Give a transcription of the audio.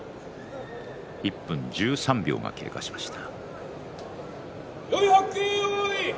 １分１３秒が経過しました。